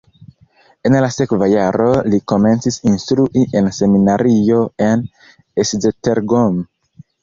En la sekva jaro li komencis instrui en seminario en Esztergom.